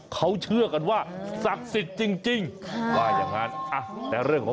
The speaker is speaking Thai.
เขาเชื่อกันว่าสักสิทธิ์จริง